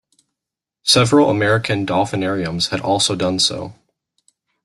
Several American dolphinariums had also done so.